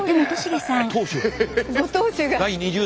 ご当主が。